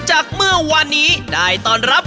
ขอให้ดีกว่างานหมิบ